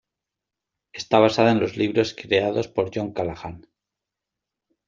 Está basada en los libros creados por John Callahan.